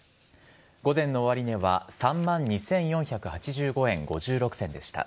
午前の終値は、３万２４８５円５６銭でした。